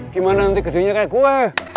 gimana nanti gedenya kayak kuah